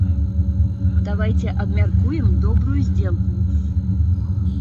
Давайце абмяркуем добрую здзелку!